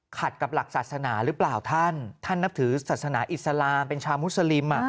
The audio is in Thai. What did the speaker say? กับหลักศาสนาหรือเปล่าท่านท่านนับถือศาสนาอิสลามเป็นชาวมุสลิม